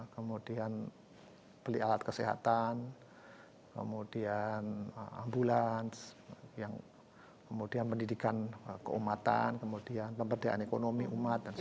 kemudian beli alat kesehatan kemudian ambulans kemudian pendidikan keumatan kemudian pemberdayaan ekonomi umat dan sebagainya